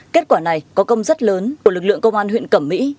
kết quả này có công rất lớn của lực lượng công an huyện cẩm mỹ